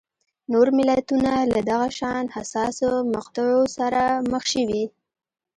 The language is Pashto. نور ملتونه له دغه شان حساسو مقطعو سره مخ شوي.